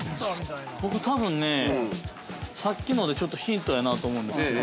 ◆僕、多分ね、さっきのでちょっとヒントやなと思うんですよ。